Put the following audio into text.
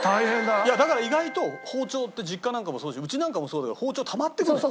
だから意外と包丁って実家なんかもそううちなんかもそうだけど包丁たまっていくのよ。